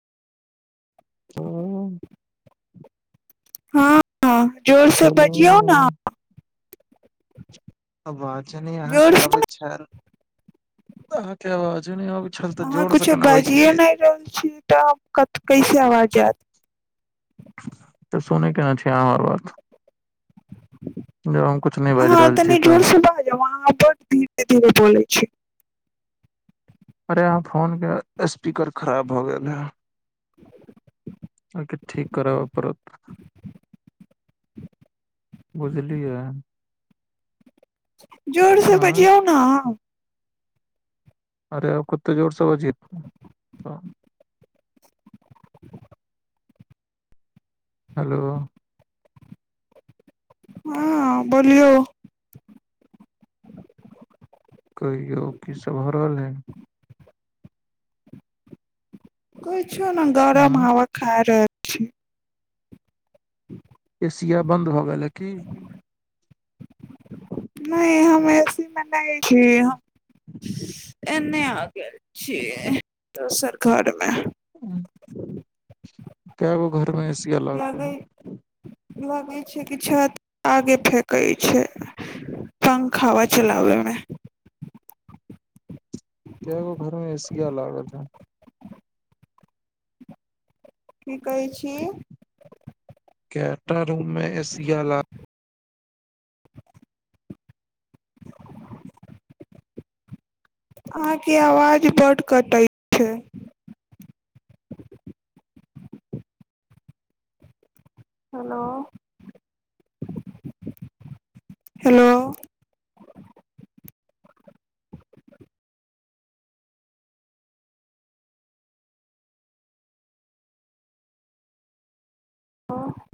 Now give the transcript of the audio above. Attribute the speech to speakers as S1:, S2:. S1: हाँ।
S2: हाँ। हँ जोरसँ बजियौ ने [inaudible]
S1: अबाज नहि
S2: जोर
S1: अहाँके
S2: से
S1: आबैत छल अहाँके आवाजो नहि आबै छल तऽ
S2: अहाँ
S1: जोर से
S2: कुछो
S1: केना
S2: बाजिये
S1: बजतियै
S2: नहि रहल छियै तऽ आब कत कैसे आवाज आयत
S1: तऽ सुने केना छियै अहाँ हमर अवाज हम कुछ नहि बाजि
S2: अहाँ
S1: रहल छी
S2: तनी
S1: तऽ
S2: जोर से बाजु अहाँ बड धीरे धीरे बोलय छियै
S1: अरे अहाँ फोनके स्पीकर खराब भऽ गेल हे अहाँके ठीक कराबय पड़त बुझलियै
S2: जोर से
S1: आँय
S2: बजियौ ने
S1: अरे आब कते जोरसँ बजियै तऽ हेलो
S2: हँ बोलियौ
S1: कहियो की सभ भऽ रहलै हन
S2: कु छो ने गरम
S1: उंम्म
S2: हवा खा रहल ठीक
S1: एशिया बन्द भऽ गेलै कि
S2: नहि हम ए सी मे नहि छी एने आ गेल छियै तऽ सरकारमे
S1: कै गो घरमे ए ए सी अलाउड कऽ
S2: लगै
S1: लिअ
S2: लगै छै कि छत आग फेेकै छै पंखा हावा चलाबे मे
S1: कै गो घरमे ए सी या लागल हन
S2: की कहै छी
S1: कै टा रूममे एसियाला
S2: आहाँके आवाज बड कटै छै हेलो हेलो हेलो